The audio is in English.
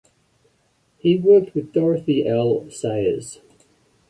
He worked with Dorothy L. Sayers.